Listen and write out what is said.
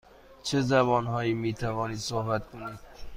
چه زبان هایی می توانید صحبت کنید؟